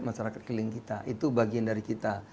masyarakat keliling kita itu bagian dari kita